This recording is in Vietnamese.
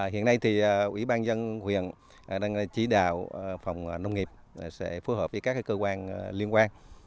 hiện nay thì ủy ban dân huyện đang chỉ đạo phòng nông nghiệp sẽ phối hợp với các cơ quan liên quan